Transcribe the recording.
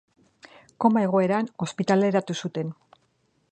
Koma egoeran ospitaleratu zuten.